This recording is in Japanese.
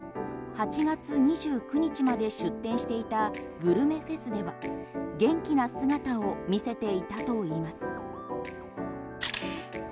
店が休業する３日前８月２９日まで出店していたグルメフェスでは元気な姿を見せていたといいます。